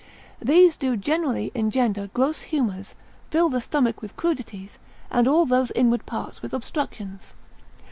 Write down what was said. These do generally engender gross humours, fill the stomach with crudities, and all those inward parts with obstructions.